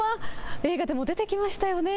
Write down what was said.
映画でも出てきましたよね。